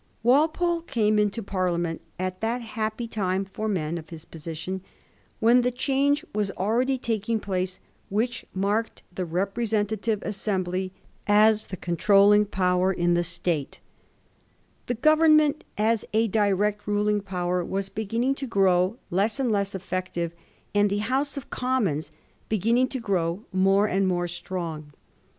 Walpole came into Parliament at that happy time for men of his position when the change was already taking place which marked the repre sentative assembly as the controlling power in the Digiti zed by Google 42 A HISTORY OF THE FOUR GEORGES. ch. el state. The Government as a direct ruling power was beginning to grow less and less eflFective, and the House of Commons beginning to grow more and more strong.